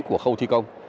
của khâu thi công